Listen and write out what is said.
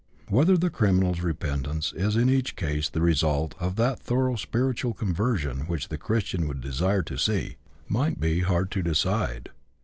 Whether the criminal's repentance is in each case the result of that thorough spiritual conversion which the Christian would desire to see, might be hard to decide.